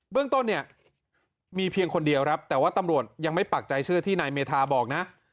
เรื่องต้นเนี่ยมีเพียงคนเดียวครับแต่ว่าตำรวจยังไม่ปักใจเชื่อที่นายเมธาบอกนะ